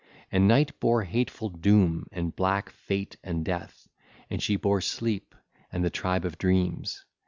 (ll. 211 225) And Night bare hateful Doom and black Fate and Death, and she bare Sleep and the tribe of Dreams.